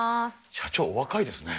社長、お若いですね。